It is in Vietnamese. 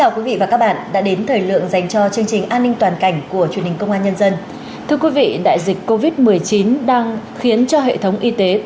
các bạn hãy đăng ký kênh để ủng hộ kênh của chúng mình nhé